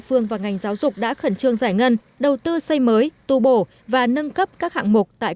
phương và ngành giáo dục đã khẩn trương giải ngân đầu tư xây mới tu bổ và nâng cấp các hạng mục tại